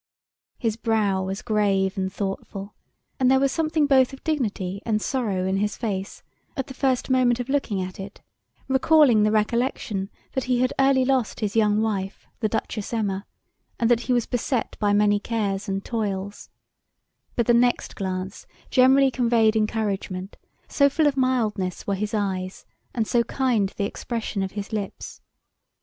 His brow was grave and thoughtful, and there was something both of dignity and sorrow in his face, at the first moment of looking at it, recalling the recollection that he had early lost his young wife, the Duchess Emma, and that he was beset by many cares and toils; but the next glance generally conveyed encouragement, so full of mildness were his eyes, and so kind the expression of his lips.